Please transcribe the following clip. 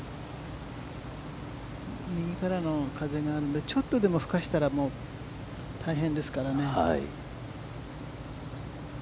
右からの風がちょっとでもふかしたら大変ですからね。